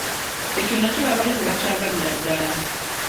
Ekyo nakyo baabadde tebakyagalira ddala.